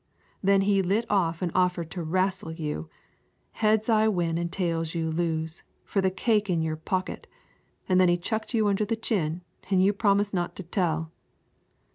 Then he lit off an' offered to wrastle you, heads I win an' tails you lose, for the cake in your pocket, an' then he chucked you under the chin, an' you promised not to tell."